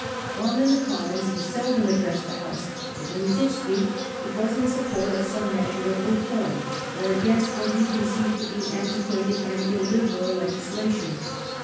While in the Com mons he seldom addressed the House, but when he did speak, it was in support of some measure of re form, or against what he conceived to be antiquated and illiberal legislation.